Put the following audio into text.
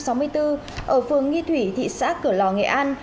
ở phường nghi thủy thị xã cửa lò nghệ an